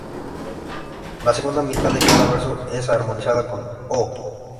La segunda mitad de cada verso se armoniza con "¡oh!